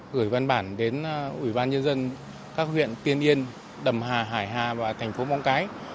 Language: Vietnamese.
gửi văn bản đến ủy ban nhân dân các huyện tiên yên đầm hà hải hà và thành phố móng cái